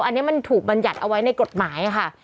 อันนี้มันถูกบรรยัติเอาไว้ในกฎหมายค่ะ